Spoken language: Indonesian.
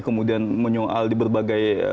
kemudian menyoal di berbagai